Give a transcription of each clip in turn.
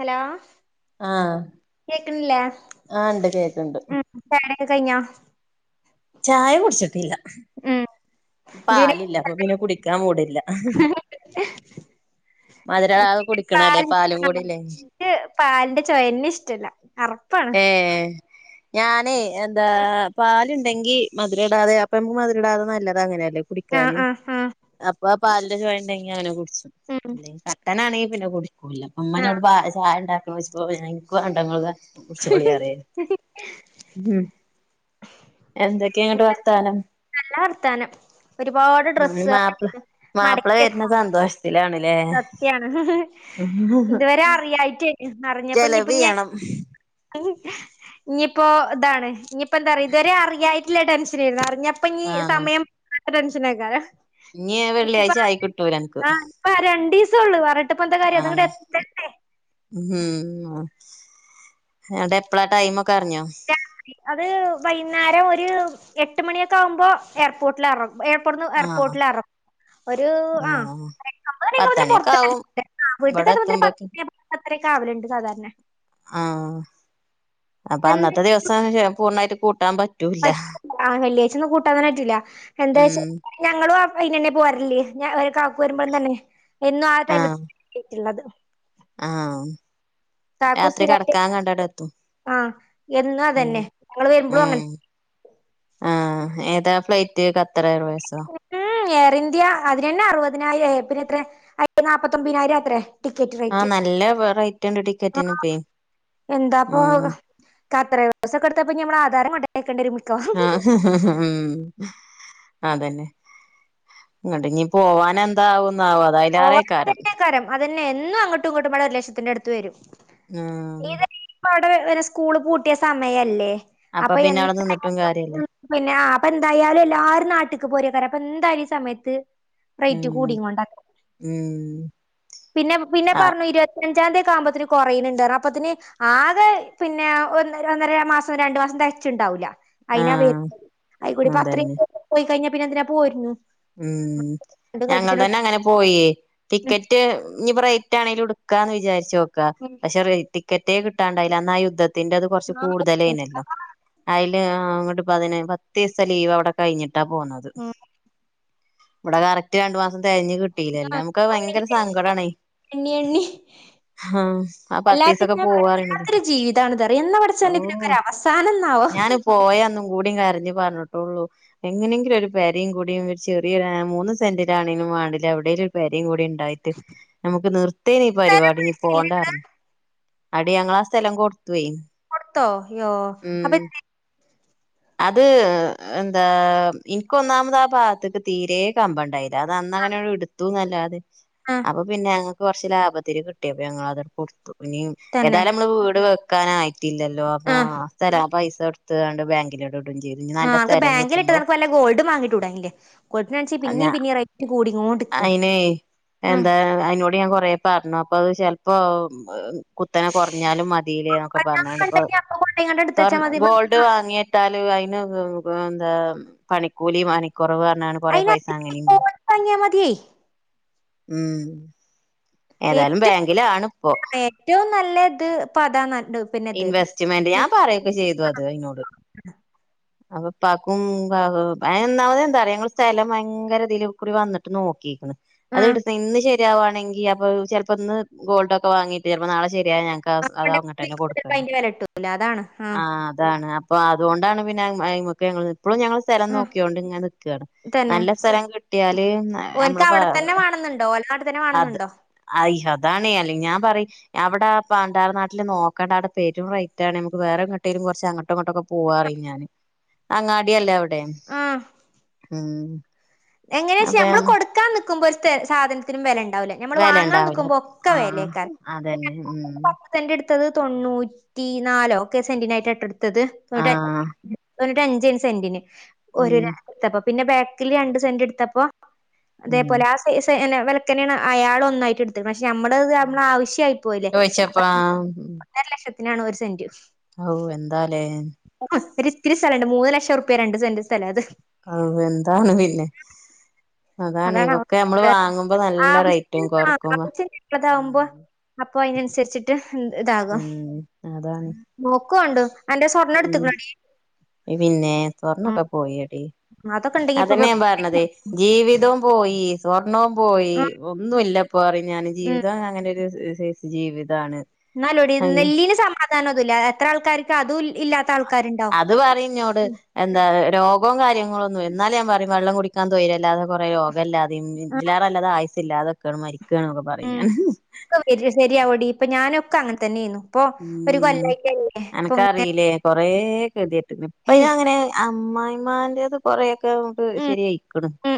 Hello ആ കേക്കണില്ലേ ആ ണ്ട് കേക്ക്ണ്ട് ഉം ചായുടിയൊക്കെ കയ്ഞ്ഞോ ചായ കുടിച്ചിട്ടില്ല ഉം ഇതിന് പാലില്ല അപ്പൊ പിന്നെ കുടിക്കാൻ മൂടില്ല മധ് രടാതെ പാൽ കുടിക്കണല്ലേ പാലും കൂടില്ലെ ക്ക് പാലിന്റെ ചൊയെന്നെഷ്ടല്ല അർ ഏ [inaudible] ഞാനേ എന്താ പാല്ണ്ടെങ്കി മധുരടാതെ അപ്പൊമ്മക്ക് മധുരടാതെ നല്ലതങ്ങനെ ല്ലെ ആഹ് കുടിക്കാന് ആഹ് ആഹ് അപ്പാ പാലിന്റെ ചൊയണ്ടെങ്കി അങ്ങനെ കുടിച്ചും ഉം ല്ലെ ട്ടനാണെങ്കി പിന്നെ കുടിക്കൂല്ല മ്മ ന്നോട് ആഹ് പാ ചായണ്ടാക്കണോയ്ച്ചപ്പോ പിന്നെ ഇൻക്ക് വാണ്ട ഇങ്ങള് കാച്ചി കുടിച്ചോളി പറയും ഉം എന്തൊക്കെങ്ങട്ട് വർത്താനം നല്ല വർത്താനം ഒരുപാട് ഡ്രസ്സ് [unintelligible] മടക്കിയെക്കാന് ന്തോഷത്തിലാണ് ലെ സത്യാണ് ഇതുവരെ അറിയായിറ്റേനു ചെലവ് അറിഞ്ഞപ്പഞ്ഞിപ്പയ് ചെയ്യണം ഞ്ഞി പ്പോ ഇതാണ് ഞ്ഞിപ്പോ എന്താറിയോ ഇത് വെരെ അറിയായിട്ടില്ല ടെൻഷനേര്ന്നു അറി പ്പഞ്ഞി ആഹ് സമയം പോകാത്ത ടെൻഷനേക്കാരം ഇനി വെള്ളിയാഴ്ച്ചായിക്കിട്ടൂലൻക്ക് പ്പ രണ്ടീസൊള്ളു വറ ആ ഉം അടെപ്പളാ ടൈമ് ക്കർഞ്ഞോ രാത്രി അത് വൈന്നേരം ഒരു എട്ട് മണിയൊക്കാകുമ്പോ എയർപോർട്ടിലെറങ്ങും എയർപോർന്ന് ആഹ് എയർപോർട്ടിലെറ ഒരു ആ ആഹ് പത്തണിയൊക്കെ [unintelligible] ആവും ഇവിടെ വീട്ട്ക്കെത്തുമ്പോത്തിന് പത്ത് എത്തുമ്പോക്ക് [unintelligible] പത്തരൊക്കാവല്ണ്ട് സാധാരണെ ആ അപ്പൊ അന്നത്തെ ദിവസം പൂർണ്ണായിട്ട് കൂട്ടാൻ പറ്റ് പറ്റ ആ വെള്ളിയാഴ്ച്ചൊന്നും കൂട്ടാതെന്നെ പറ്റൂല എന്താച്ച ഉം ഞങ്ങളും അപ് അയ്ലെന്നെ പോര്ല് ഞാ കാക്കു വെരുമ്പഴും തന്നെ എന്നും ആ ടൈമ് [unintelligible] ട്ടുള്ളത് ആ കാക്കു രാത്രി സ്ഥിരായിട്ട് കെടക്കാൻ കണ്ടണ്ടെത്തും ആ എന്നും ഉം അതന്നെ ഞങ്ങള് വരുമ്പോഴും അങ്ങനെ ഉം ആ ഏതാ ഫ്ലൈറ്റ് കത്തറെർവെയ്സോ ഉം എയർ ഇന്ത്യ അതിനെന്നെ അറുപതിനായിരായി പിന്നെത്രെ അയ്ന് നാപ്പത്തൊമ്പതിനായിരാത്രേ ടിക്കറ്റ് റേറ്റ് ആഹ് നല്ല റേറ്റ് ഉണ്ട് ആ ടിക്കറ്റിനിപ്പേ എന്താപ്പോ ഉം കത്തറെർവേയ്സൊക്കെ ട്ത്താ പ്പഞ്ഞി ഞമ്മളെ ആധാരം കൊണ്ടേക്കണ്ടി വെരും മിക്കവാറും ആഹ്‌ ഉം അതന്നെ ഇങ്ങട്ട നീ പോവാന എന്താവന്നാവാ പോവാ തന്നെ കരം അതന്നെ എന്നും അങ്ങോട്ടും ഇങ്ങോട്ടും മടെ ഒരു ലക്ഷത്തിന്റെ അടുത്ത് വരും ആഹ് ഇത് ഇപ്പ അവിടെ അവരെ സ്കൂള് പൂട്ടിയ സമയല്ലേ അപ്പൊ പിന്നെ അവിടെ നിന്നിട്ടും കാര്യല്ലേ എന്തായാലാലും പിന്നെ അത് എന്തായാലും എല്ലാരും നാട്ടിക്ക് പോരക്കറ അപ്പൊ എന്തായാലും ഈ സമയത്ത് റേറ്റ് ഉം കൂടിങ്ങോണ്ടാ ഉം പിന്നെ പിന്നെ ആ പറഞ്ഞു ഇരുപത്തഞ്ചാം തീയതി ആകുമ്പോത്തന് കുറേയനുണ്ടാരുന്നു അപ്പത്തിന് ആകെ പിന്നെ ഒന്ന ഒന്നര മാസം രണ്ടു മാസം തികച്ചുണ്ടാവൂല അയിന് വ ആഹ് അയി കൂടിപ്പ അത്രയും അതന്നെ പോയി കഴിഞ്ഞ പിന്നെ എന്തിനാ പോയിരുന്നു ഉം ഞങ്ങൾ തന്നെ അങ്ങനെ പോയി ടിക്കറ്റ് ഇനിയിപ്പം റേറ്റ് ആണെങ്കിലും എടുക്കുക എന്ന് വിചാരിച്ച് നോക്കാ പക്ഷെ റേറ്റ് ടിക്കറ്റേ കിട്ടാണ്ടായില്ല അന്നാ ആ യുദ്ധത്തി ത്തിന്റെ അത് കുറച്ച് കൂടുതലേന്നല്ലോ അതില് അങ്ങോട്ട് പതിന പത്ത് ദിവസം ലീവ് അവിടെ കഴിഞ്ഞിട്ടാ പോന്നത് ഉം ഇവിടെ കറക്റ്റ് രണ്ടു മാസം തികഞ്ഞ് കിട്ടിയില്ല എല്ലാം നമുക്ക് ഭയങ്കര സങ്കട ആണെ എണ്ണി എണ്ണി ആ അല്ലാത്ത പത്തീസൊക്കെ പോവാ പറയാ പറയണത് അല്ലാത്തൊരു ജീവിതണതറിയ എന്ന പഠച്ചന്റെ ഓഹ് ഇതിനൊക്കെര അവസാനം എന്നാവോ ഞാന് പോയന്നും കൂടിയും കരഞ്ഞ് പറഞ്ഞിട്ടുള്ളൂ എങ്ങനെങ്കിലും ഒരു പെരയും കൂടിയും ചെറിയ മൂന്ന് സെന്റിലാണെങ്കിലും വേണ്ടില എവിടേലും ഒരു പെരയും കൂടി ഉണ്ടായി നമുക്ക് നിർത്തേന ഈ തരം പരിപാടി ഇനീ പിടിച്ചില്ലേ പോണ്ട ഇങ്ങള് അറിഞ്ഞു അടി ഞങ്ങൾ ആ സ്ഥലം കൊടുത്തുവയി ത്തോ യ്യോ അപ്പെ അത് എന്താ എനിക്കൊന്നാമത ആ ഭാഗത്തക്ക് തീരെ കൺഫോർട്ടയിരുന്നു അത് അന്ന ആഹ് അങ്ങനെയ എടുത്തുന്നു അല്ലാതെ ആഹ് അപ്പൊ പിന്നെ ഞക്ക് കുറച്ച് ലാഭത്തിരി കിട്ടിയപ്പോൾ ഞങ്ങൾ അത് കൊടുത്തു ഇനി തന്നെ ഏതാലും നമ്മള് വീട് വെക്കാന പിട്ടില്ലല്ലോ അപ്പൊ ആഹ് സ്ഥല പൈസ കൊടുത്തണ്ട് ബാങ്കിലോടെ ഇടും ചെയ ആഹ്ക്ക് ബാങ്കിലിട്ട്നക്ക്ല്ല ഗോൾഡ് വാങ്ങിട്ടടൻില്ലേ ഗോൾഡിന് പിന്നേ ഞാ പിന്നെയും റേറ്റ് കൂടിങ്ങോണ്ട്ടുക്ക അയിനെ എന്താ [unintelligible] ൻ കൊറേ പറഞ്ഞു അപ്പൊ അത് ചെലപ്പോ കുത്തനെ കുറഞ്ഞാലും മതിയില്ല പറഞ്ഞ് ഇപ്പൊ ണ്ടെങ്കി അപ്പൊ കൊണ്ടോയിങ്ങാണ്ട് എടുത്തച്ചാ സ്വർണ മതി ഗോൾഡ് ് വാങ്ങിയിട്ടാല് അതിന് എന്താ പണിക്കൂലി മണിക്കുറവ് [unintelligible] കുറെ അയിന് പൈസ അങ്ങനെയും [unintelligible] മതിയേ ഉം ഏതായാലും ഏറ്റവും ബാങ്കിലാണ് ഇപ്പോ ഏറ്റവും നല്ലത് പത ന ഇൻവെസ്റ്റ്മെന്റ് ഞാൻ പറയക്കെ ചെയ്തു അത് അതിനോട് [inaudible] അപ്പൊ പകും അന്നാമത എന്താറ ഞങ്ങള് സ്ഥലം ഭയങ്കര ഇതിൽക്കൂറി വന്നിട്ട് നോക്കിക്കണ് അത് ആഹ് എടുത്ത് ഇന്ന് ശരിയാവാണെങ്കിൽ അപ്പൊ ചിലപ്പോ ഇന്ന് ഗോൾഡൊക്കെ വാങ്ങീട്ട് ചിലപ്പോ നാളെ ശരിയാ ഞങ്ങക്ക് അത് അങ്ങോട്ട്ന്നെ കൊടുക്ക അയിന്റെ വില ഇട്ടൂല അതാണ് ആഹ് അതാണ് അപ്പൊ അതുകൊണ്ടാണ് പിന്നെ ഇപ്പോഴും ഞങ്ങൾ സ്ഥലം ഉം നോക്കിയോണ്ട് ഇങ്ങനെ നിക്കുകയാണ് തന്നെ നല്ല സ്ഥലം കിട്ടിയാല് ഓൻക്ക് നമ്മള് അവിടെ തന്നെ വേണന്നുണ്ടോ ഓലെ നാട്ടിൽ തന്നെ അത് വേണന്നുണ്ടോ അയ്യോ അതാണ്ല്ല ഞാൻ പറയി അവിടെ പണ്ടർ നാട്ടില് നോക്കണ്ട അവിടെ [unintelligible] ആണ് നമക്ക് വേറെ എങ്ങട്ടേിലും കുറ അങ്ങോട്ടുംങ്ങോട്ടക്കെ പോവാറ ഞാന് അങ്ങാടല്ലേ അവിടെ ഉം എങ്ങന ചേച്ചി അപ്പൊ നമ്മള് കൊടുക്കാ നിക്കുമ്പോ ഒരു സാധനത്തിനും വില ഉണ്ടാവില്ലേ നമ്മള് വെല വാങ്ങാൻ ഉണ്ടാവൂല നിക്കുമ്പോ ഒക്കെ ആഹ് വേലേക്കാറ് അതന്നെ ഉം [unintelligible] സെന്റ് എടുത്തത് തൊണ്ണൂറ്റി നാലോ ഒക്കെ സെന്റിനായിട്ട് എടുത്തത് ആഹ് തൊണ്ണൂറ്റ [unintelligible] അഞ്ചേനു സെന്റിന് ഒരു ഉം [unintelligible] എടുത്തപ്പോ പിന്നെ ബാക്കില് രണ്ട് സെന്റ് എടുത്തപ്പോ ഉം അതേപോലെ ആ [unintelligible] വെലക്കെന്നാണ് അയാള് ഒന്നായിറ്റ് എടുത്തുക്കണെ പക്ഷെ ഞമ്മള് [unintelligible] നമ്മളെ ആവശ്യായി പോയില്ലേ അപ്പൊ ചോയിച്ചപ്പാ [unintelligible] ഒന്നര ലക്ഷത്തിനാണ് ഒരു സെന്റ് ഹാവൂ എന്താല്ലേ ഒരിത്തിരി സ്ഥലണ്ട് മൂന്ന് ലക്ഷം ഉറുപ്യാത് രണ്ട് സെന്റ് സ്ഥലാ അത് ആവൂ എന്താണ് പിന്നെ അതാണ് ഇവൊക്കെ നമ്മള് വാങ്ങുമ്പോ നല്ല റേറ്റും ആവശ്യത്തിന് കൊറക്കുമ്പോ ആവശ്യം ഇള്ളതാവുമ്പോ ഉം അപ്പൊ അയിനനുസരിച്ചിട്ട് ഉം ഇതാകും ഉം അതാണ് നോക്കോണ്ടു അന്റെ സ്വർണ്ണം ഉം എടുത്തുക്കണോടി പിന്നെ ഉം സ്വർണ്ണൊക്കെ പോയടി അതൊക്കെ ഇണ്ടെങ്കി ഇപ്പൊ അതെന്നെയാ ഞാൻ പറഞ്ഞതെ ജീവിതോം പോയി സ്വർണ്ണോം പോയി ഉം ഒന്നും ഇല്ലപ്പ് പ്പോ പറയ് ഞാന് ഉം ജീവിതം അങ്ങനെ ഒരു സൈസ് ജീവിതാണ്. ഇന്നാലു എടി നെല്ലിന് സമാധാനം ഒന്നൂല്ലാല്ലോ എത്ര ആൾക്കാര്ക്ക് അതും ഇല്ലാത്ത ആൾക്കാര് ഇണ്ടാവും. അത് പറയും ഇന്നോട് എന്താ രോഗവും കാര്യങ്ങൾ ഒന്നും എന്നാലും ഞാൻ പറയും വെള്ളം കുടിക്കാൻ തൊയ്രല്ലാതെ കൊറെ യോഗം ഇല്ലാതെയും ആഹ് ഇതില് എറെ നല്ലത് ആയുസ്സ് ഇല്ലാതെക്കാണ് മരിക്കാണ്ന്നൊക്കെ പറയും ഞാന് ക്കെ വെര് ശരി ശരിയാവോടി ഇപ്പ ഞാനൊക്കെ അങ്ങനെ തന്നെ ആയിന്നു. ഉം അനക്കറിയില്ലേ കൊറെ ഗതികെട്ടിന് ഇപ്പ അയിന് ഏയ് അങ്ങനെ അമ്മായിമ്മാന്റെത് കൊറെയൊക്കെ നമ്മക്ക് ഉം ശരി ആയിക്കണ് ഉം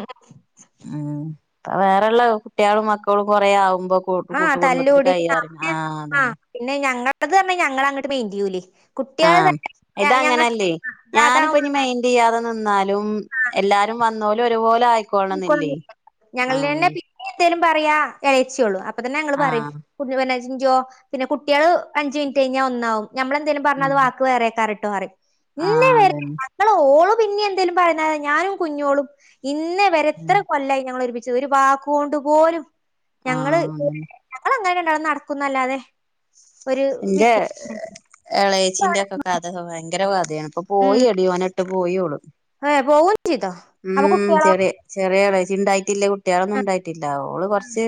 ഉം. അത് വേറെള്ള കുട്ട്യാളും മക്കളും കൊറേ ആവുമ്പോ കൂട്ട് ആഹ് കൂട്ടുകുടുംബത്തില് തല്ലൂടി ആ കയ്യാറിയുമ്പം പിന്നെ ആഹ് അതന്നെ. പിന്നെ ഞങ്ങളത് പറഞ്ഞാ ഞങ്ങള് അങ്ങട്ട് മൈൻഡ് ചെയ്യൂലേ. കുട്ട്യാള് ആം തന്നെ ഞ- ഞങ്ങ ഇതങ്ങനല്ലേ ആ, ഞാൻ ഇപ്പം അതാവുമ്പോ ഇനി മൈൻ ൻഡ് ചെയ്യാതെ നിന്നാലും എല്ലാരും വന്നോല് ഒരുപോലെ ആയി ക്കോളണന്നില്ലേ ആം. ഞങ്ങളെന്നെ പിന്നെ എന്തേലും പറയാ എളേച്ചിയെ ഉള്ളൂ അപ്പൊ തന്നെ ഞങ്ങള് പറയും. ആഹ് [unintelligible] ചിഞ്ചോ പിന്നെ കുട്ട്യാള് അഞ്ച് മിനിറ്റ് കഴിഞ്ഞാ ഒന്നാവും ഞമ്മള് എന്തേലും പറഞ്ഞാ അത് ഉം വാക്ക് വേറെയായിക്കാറ ട്ടോ പറയും ഇന്നേ ആഹ് വരെ [unintelligible] അതന്നെ ങ്ങള് ഓള് പിന്നെ എന്തേലും പറയ്ന്നല്ലാതെ ഞാനും കുഞ്ഞോളും ഇന്നേ വരെ ഇത്ര ഉം കൊല്ലായി ഞങ്ങള് ഒരുമിച്ച് ച്ച് ഒരു വാക്ക് കൊണ്ട് പോലും ഞങ്ങള് ആഹ് അതന്നെ ഞങ്ങള് ഇങ്ങനെ രണ്ടാളും നടക്കുന്നല്ലാതെ ഒരു വി. ഇന്റെ [unintelligible] അത് ഭയങ്കര കഥയാണ് ഇപ്പൊ പോയി എടി ഓനെ ഇട്ട് പോയി ഓള്. അതെ പോകും ചെയ്തോ. അപ്പൊ ഉം കുട്ടികളോ ചെറിയ ചെറിയ ആളാ ഇച്ച് ഇണ്ടായിട്ടില്ല കുട്ടികളൊന്നും ഇണ്ടായിട്ടില്ല ഓള് കൊറച്ച്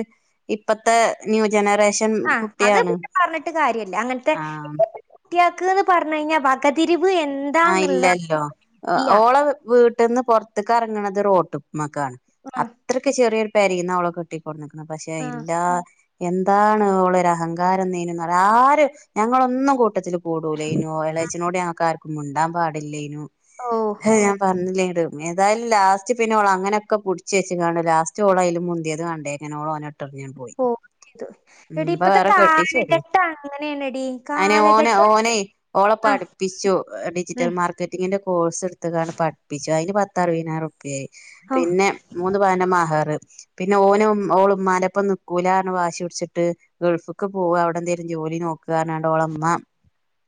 ഇപ്പത്തെ ന്യൂ ജനറേഷൻ ആഹ് അത് കുട്ടിയാണ് പിന്നെ പറഞ്ഞിട്ട് കാര്യല്ല അങ്ങൻത്തെ ആഹ് കുട്ട്യാക്ക്ന്ന് പറഞ്ഞ് കഴിഞ്ഞാ വകതിരിവ് എൻ. ആഹ് ഇല്ലല്ലോ ആഹ് ഓളെ വീട്ട്ന്ന് പൊറത്തക്ക് എറങ്ങണത് റോട്ടു മ്മക്കാണ് ആ അത്രക്ക് ചെറിയൊരു പേരെന്നാ ഓളെ കെട്ടി കൊണ്ടന്നക്കണേ പക്ഷെ ആ ഇല്ലാ എന്താണ് ഓളൊരു അഹങ്കാരന്നേനു അറിയോ ആര് ഞങ്ങളെ ഒന്നും കൂട്ടത്തില് കൂടുലേനു എളേച്ചനോട് ഞങ്ങക്ക് ആർക്കും മിണ്ടാൻ പാടില്ലേനു ഓ [unintelligible] പറഞ്ഞിലേടു ഏതായാലും ലാസ്റ്റ് പിന്നോള് അങ്ങനെ ഒക്കെ പുടിച്ച് വെച്ച് കാണ്ട് ലാസ്റ്റ് ഓള് അതില് മുന്തിയത് കണ്ടേ അങ്ങനെ ഓള് ഓനെ ഇട്ടെറിഞ്ഞ് അങ്ങ് പോയി. ഓ ഇത് ഉം എടി ഇപ്പ ഇപ്പത്തെ വേറെ കെട്ടിച്ചെടി കാലഘട്ടം അങ്ങനെയാണെടി അയ്നെ ഓനെ കാലഘട്ടം ഓനെ ഓളെ ആ പഠിപ്പിച്ചു. ഏഹ് ഡിജിറ്റൽ ഉം മാർക്കറ്റിങ്ങിന്റെ കോഴ്സ് എടുത്തുകാണ്ട് പഠിപ്പിച്ചു അയിന് പത്ത് അറുപതിനായിരം ഉറുപ്യ ആയി. ഔ പിന്നെ മൂന്ന് പവൻ്റെ മഹറ്. പിന്നെ ഓനും ഓള് ഉമ്മാൻ്റൊപ്പം നിക്കൂലാ പർഞ്ഞ് വാശി പിടിച്ചിട്ട് ഗൾഫ്ക്ക് പോവാ അവടെ എന്തെലും ജോലി നോക്കാന്ന് പറഞ്ഞാണ്ട് ഓളെ ഉമ്മ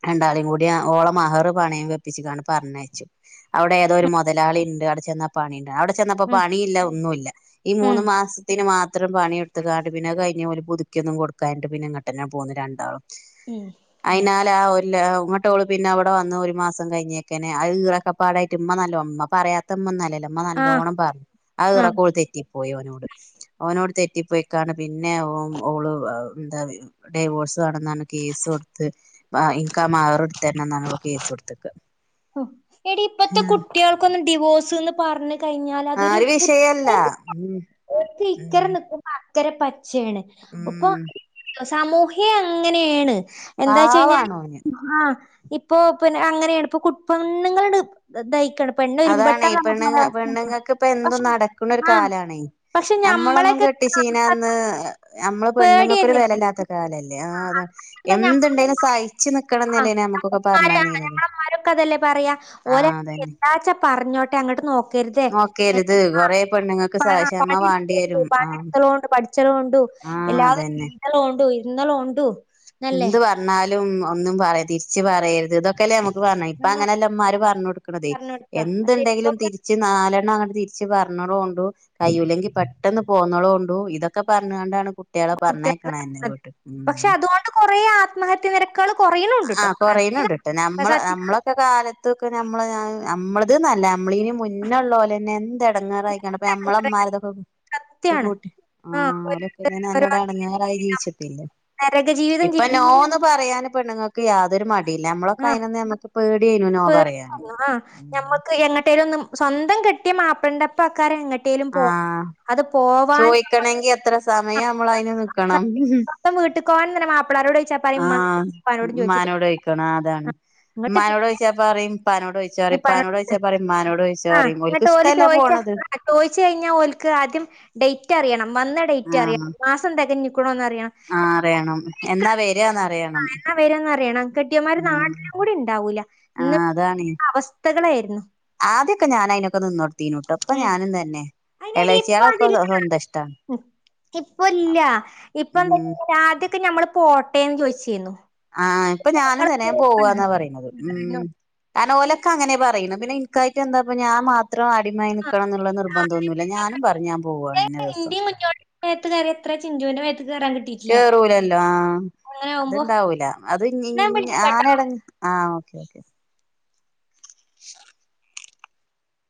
രണ്ടാളെയും കൂടി ഓളെ മഹറും പണയം വെപ്പിച്ച് കാണ്ട് പറഞ്ഞ് അയച്ച് അവിടെ ഏതോ ഒരു മുതലാളി ഇണ്ട് അവിടെ ചെന്നാ പണി ഇണ്ട് അവിടെ ചെന്നപ്പോ ഉം പണി ഇല്ല ഒന്നുല്ല. ഈ ഉം മൂന്ന് മാസത്തിന് മാത്രം പണി എടുത്തുക്കാണ്ട് പിന്നെ അത് കഴിഞ്ഞ് ഓല് പുതുക്കി ഒന്നും കൊടുക്കാഞ്ഞിട്ട് പിന്നങ്ങ. ട്ടന്നെ പോന്നു രണ്ടാളും. ഉം. അയിനാലെ ആ [unintelligible] ഇങ്ങട്ട് ഓള് പിന്നെ അവിടെ വന്നോരും. മാസം കഴിഞ്ഞേക്കന്നെ അയ് ഒക്കെ പാടായിട്ട് ഉമ്മ നല്ല ഉമ്മ പറയാത്ത ഉമ്മ ഒന്നല്ലല്ലോ. ൻ്റമ്മ ആ നല്ലോണം പർഞ് ആ ഈറക്കോള് തെറ്റിപ്പോയി ഓനോട് ഓനോട് തെറ്റിപ്പോയി. ക്കാണ് പിന്നെ ഓം ഓള് ന്താ വരും. ഡൈവോഴ്സ് വണെന്നാണ് കേസൊട്ത്ത് ബ ഇൻകാ മഅ്റ്ട്ത്തര്നം ന്നർഞ്ഞ് ഓള് കേസൊട് ത്ത്ക്ക. ഹൊ എടീ ഇപ്പത്ത കുട്ട്യാൾക്കൊന്നും ഡിവോഴ്സ് ന്ന് പർഞ്ഞ് ആ കൈഞ്ഞാലതൊരു ഒരു വിഷയല്ല പുത്തരി. [unintelligible] ഓര്ക് ഇക്കര ഉം നിക്കുമ്പോ അക്കര പച്ചേണ്. ഒപ്പൊ... ഉം സമൂഹ്യ അങ്ങനെയാണ്. എന്താ വെച്ച കഴിഞ്ഞാല്... പാവാണ് ഓന് ഹ. ഇപ്പൊ പിന്നെ അങ്ങനെയാണ്. ഇപ്പൊ പെണ്ണുങ്ങളുണ്ട്... ദായ്ക്കാണ്. പെണ്ണ അതാണ്. പെണ്ണുങ്ങ പെണ്ണുങ്ങൾക്ക് ഇപ്പൊ പക്ഷെ എന്തും നടക്കുന്ന ഒരു ആഹ് കാലാണ്. പക്ഷെ നമ്മളൊന്നും ഞമ്മളൊക്കെ കെട്ടിചീനന്ന് നമ്മള് പെണ്ണുങ്ങൾക്കൊരു പേടിയായിരുന്നില്ലേ വിലയില്ലാത്ത കാലല്ലേ. ആ അത. അതെന്താ ഞമ്മ എന്തുണ്ടേലും സഹിച്ചു ആഹ്. നിക്കണംന്നല്ലേന നമ്മുക്കൊക്കെ പറഞ്ഞാന്നീനത്. ഓര എന്താച്ചാ പറഞ്ഞോട്ടെ. അങ്ങോട്ട് നോ കരുതെ, നോക്കരുത് നിമ കൊറേ പെണ്ണുങ്ങൾക്ക് സ ക്ഷമ വേണ്ടി വരും ആ പണിടകളുണ്ട്, ഉണ്ട് പഠിച്ചലുണ്ടു... ആ എല്ലാതെ അതന്നെ ഇന്നലും ഉണ്ടു, ഇന്നലും ഉണ്ടു. എന്ത് പറഞ്ഞാലും ഒന്നും പറയാ തിരിച്ചു പറയരുത് ഇതൊക്കെല്ലേ നമുക്ക് പറഞ്ഞത്, ഇപ്പ അങ്ങനെല്ല... മ്മാര് പറഞ്ഞ് കൊടുക്കണതേ പറഞ്ഞൊട്ക്ക. പക്ഷെ എന്തുണ്ടെങ്കിലും ഇപ്പൊക്കെ തിരി... ച്ച് നാലെണ്ണം അങ്ങട്ടെ തിരിച്ച് പറഞ്ഞലോണ്ടു, കഴിയൂല്ലെങ്കിൽ പെട്ടെന്ന്... പോന്നളോണ്ടൂ, ഇതൊക്കെ പറഞ്ഞുകൊണ്ടാണ് കുട്ടികളെ കുട്ട്യേളെ പറഞ്ഞേക്കണന്നെ വീട്ട്... പക്ഷെ ഉം. അതുകൊണ്ട് കൊറേ ആത്മഹത്യ നിരക്കുകൾ കൊറയുണുണ്ട്ട്ടോ. അങ്ങന... ന്റെ കാലത്തൊക്കെ നമ്മളെ ഞാ നമ്മളത് നല്ല നമ്മളിന് മുന്നള്ളോലെ ന്നെ എന്ത് എടങ്ങാറായിക്കണ്. അപ്പ നമ്മളമ്മാർതൊക്കെ... സത്യാണ്. ട്ടെ, ആ ആഹ് ലപ്പന്നെ നല്ലോനടങ്ങാറായി ജീവിച്ചട്ടല്ലേ, നരക ജീവിതം ഇപ്പ... ജീവി നോന്ന് പറയാന് പെണ്ണുങ്ങൾക്ക് യാതൊരു മ പിന്നെ നമ്മളൊക്കെ ആഹ് അയിനൊന്ന് നമ്മക്ക് പേടെയിനു നോ പറയാനും. ഉം ഉം. പ എങ്ങട്ടേലും ഒന്നും സ്വന്തം കെട്ടിയ മാപ്പൾണ്ടപ്പക്കാരം എങ്ങട്ടേലും പോ, അത് പോവാൻ... നമ്മക്ക് നക്കണമെങ്കി എത്ര സമയം നമ്മൾ അതിന് നക്കണം. അപ്പ വീട്ട് പോവാൻന്നെ മാപ്പളാരോടോയിച്ച... ആഹ, മ്മാനോടോയിക്കണം അതാണ്. ഇങ്ങട്ട് മ്മാനോട് ചോയിച്ചപ്പ പറയും പ്പാനോടോ പ്പാനോടോയിച്ച പറയും മ്മാ ആഹ, എന്നട്ടോല് ചോദിച്ച ആ ചോയിച്ച കഴിഞ്ഞാ ഓൽക്ക് ആദ്യം... ഡേറ്റ് അറിയണം. വന്ന ഡേറ്റ് അറിയണം. മാസം തികഞ്ഞ ക്കണോന്ന് അറിയണം. ആ അറിയണം. എന്നാ വരാന്ന് അറിയണം. ആ എന്നാ വരാന്ന അറിയണം. കെട്ടിയമാര് ഉം നാട്ടിലുകൂടി ഉണ്ടാവൂല. ഇന്ന് ആഹ് അതാണ് അവസ് വസ്ഥകളെയിര്നി. ആദ്യൊക്കെ ഞാന അതിന നൊക്കെ നിന്നൊട്തീനിട്ടൊ, ഇപ്പൊ ഉം ഞാനും തന്നെ, അയിനെടി എളച്ചികളൊക്കെ സ്വന്തഷ്ട. ഇപ്പ ഇല്യാ, ഇപ്പ ഉം എന്താച്ച ആദ്യൊക്കെ ഞമ്മള് പോട്ടെന്ന് ചോദിചീനു. ആഹ, ഇപ്പൊ ഞാനുംതന്നെ പോവന്നാ പറയുന്നത്. ഉം... കാരണം ഓലൊക്കെ അങ്ങനെ പറയുന്ന്, പിന്നെ ഇൻക്കായിട്ട എന്താപൊ ഞാൻ മാത്ര ഇത്ര അടിമായി നൽക്കണം എന്നുള്ള നിർബന്ധന്നുമല്ല. ഞാനും പറഞ്ഞ് ഞാൻ പോവാണ് ഇന്ന ദിവസം. വേത്ത് കയറി ഇത്ര ചിഞ്ചുന്റെമേത്ത് കേറാൻ കിട്ടി കേറൂലല്ലോ, ആഹ, അത്ണ്ടാവൂല. അത് ഇഞ്ഞി ഞാൻ ഇഞ്ഞി വിളിക്കാട്ടോ ഞാനടൻ ആ, ഓക്കേ ഓക്കെ. ശർ.